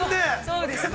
◆そうですね。